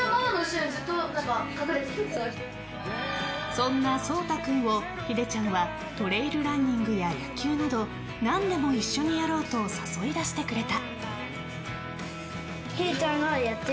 そんな蒼太君をヒデちゃんはトレイルランニングや野球など何でも一緒にやろうと誘い出してくれた。